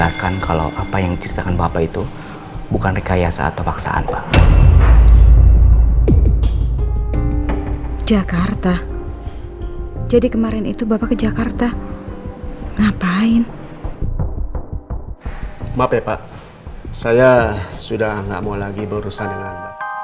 saya sudah gak mau lagi berurusan dengan